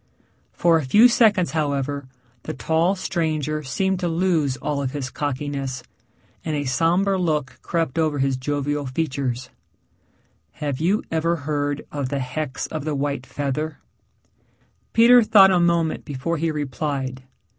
For a few seconds, however, the tall stranger seemed to lose all of his cockiness, and a somber look crept over his jovial features. "Have you ever heard of the hex of the white feather?" Peter thought a moment before he replied.